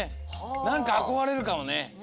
なんかあこがれるかもね。